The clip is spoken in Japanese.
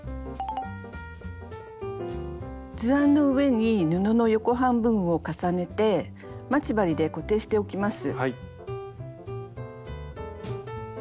図案の上に布の横半分を重ねて待ち針で固定しておきます。